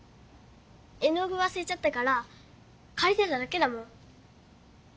絵の具わすれちゃったからかりてただけだもん。